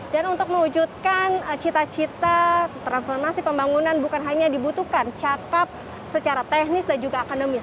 dan untuk mewujudkan cita cita transformasi pembangunan bukan hanya dibutuhkan cakep secara teknis dan juga akademis